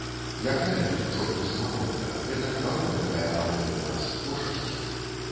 Якая тут к чорту самагонка, гэта хвароба такая пануе ў нас, пошасць.